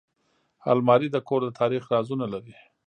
الماري د کور د تاریخ رازونه لري